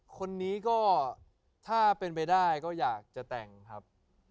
คนนี้ก็ถ้าเป็นไปได้ก็อยากจะแต่งครับ